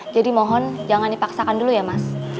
jadi mohon jangan dipaksakan dulu ya mas